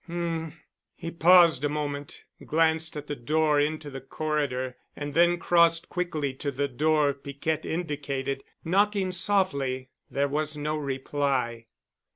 "Um." He paused a moment, glanced at the door into the corridor, and then crossed quickly to the door Piquette indicated, knocking softly. There was no reply.